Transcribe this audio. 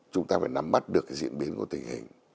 chúng ta phải nắm mắt được cái diễn biến của tình hình